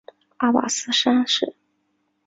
阿拔斯三世。